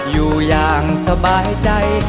อยู่อย่างสบายใจ